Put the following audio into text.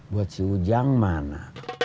buat si ujang mana